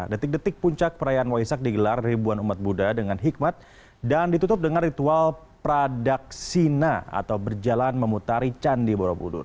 detik detik puncak perayaan waisak digelar ribuan umat buddha dengan hikmat dan ditutup dengan ritual pradaksina atau berjalan memutari candi borobudur